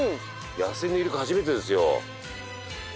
野生のイルカ初めてですよ。